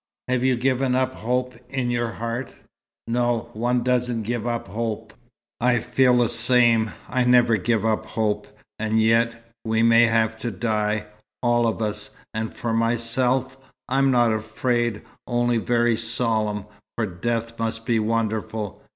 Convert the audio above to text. "Have you given up hope, in your heart?" "No. One doesn't give up hope." "I feel the same. I never give up hope. And yet we may have to die, all of us, and for myself, I'm not afraid, only very solemn, for death must be wonderful.